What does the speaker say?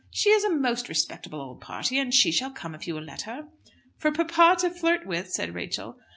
She is a most respectable old party, and she shall come if you will let her." "For papa to flirt with?" said Rachel.